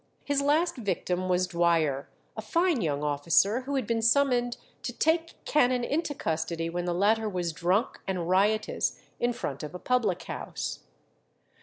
His last victim was Dwyer, a fine young officer who had been summoned to take Cannon into custody when the latter was drunk and riotous in front of a public house.